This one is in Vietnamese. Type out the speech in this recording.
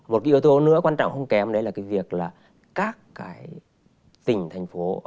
một cái yếu tố nữa quan trọng không kém đấy là cái việc là các cái tỉnh thành phố